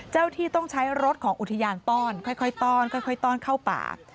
เจ้าที่ต้องใช้รถของอุทยานต้อนค่อยต้อนเข้าป่า